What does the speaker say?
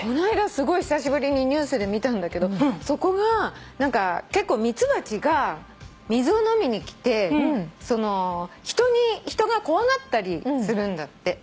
すごい久しぶりにニュースで見たんだけどそこが結構ミツバチが水を飲みに来て人が怖がったりするんだって。